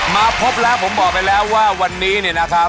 มาพบแล้วผมบอกไปแล้วว่าวันนี้เนี่ยนะครับ